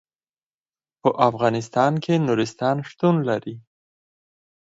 په افغانستان کې نورستان شتون لري.